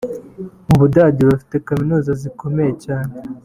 Mu Budage bafite kaminuza zikomeye cyane